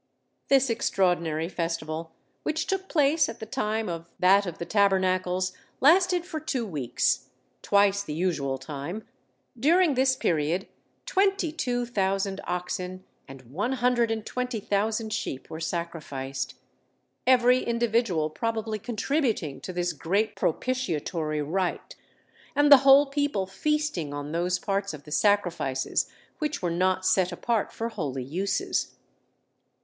This extraordinary festival, which took place at the time of that of Tabernacles, lasted for two weeks, twice the usual time: during this period twenty two thousand oxen and one hundred and twenty thousand sheep were sacrificed, every individual probably contributing to this great propitiatory rite; and the whole people feasting on those parts of the sacrifices which were not set apart for holy uses.